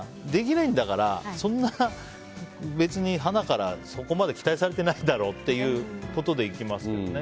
できないんだからそんな別に、はなからそこまで期待されてないだろうっていうことでいきます。